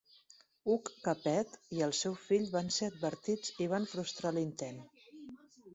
Hug Capet i el seu fill van ser advertits i van frustrar l'intent.